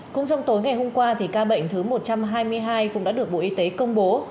cũng trong tối ngày hôm qua thì ca bệnh thứ một trăm hai mươi hai cũng đã được bộ y tế công bố